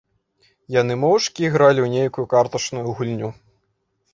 Яны моўчкі ігралі ў нейкую картачную гульню.